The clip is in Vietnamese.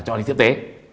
cho anh thiết tế